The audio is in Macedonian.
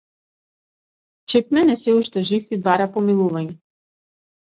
Чепмен е сѐ уште жив и бара помилување.